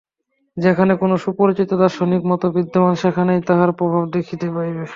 যেখানে কোন সুপরিচিত দার্শনিক মত বিদ্যমান, সেইখানেই তাঁহার প্রভাব দেখিতে পাইবে।